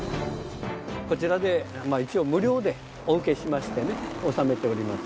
こちらで一応無料でお受けしましてね納めております。